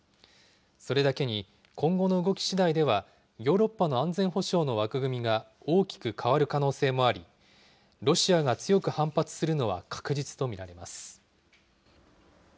それだけに、今後の動きしだいではヨーロッパの安全保障の枠組みが大きく変わる可能性もあり、ロシアが強く反発するのは確実と見られます。